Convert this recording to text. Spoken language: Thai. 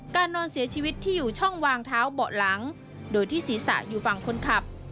นอนเสียชีวิตที่อยู่ช่องวางเท้าเบาะหลังโดยที่ศีรษะอยู่ฝั่งคนขับ